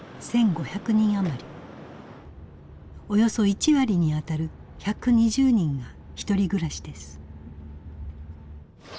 おそよ１割に当たる１２０人がひとり暮らしです。